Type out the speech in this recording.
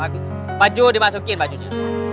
pagi baju dimasukin bajunya